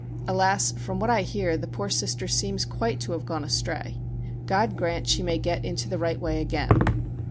Alas! from what I hear the poor Sister seems quite to have gone astray. God grant she may get into the right way again.